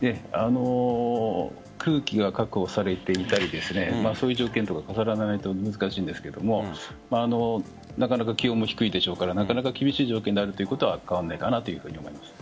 空気が確保されていたりそういう条件が重ならないと難しいんですけどもなかなか気温も低いでしょうから厳しい条件であることは変わらないかと思います。